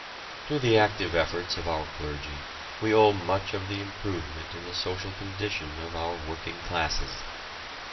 To the active efforts of our clergy we owe much of the improvement in the social condition of our working classes.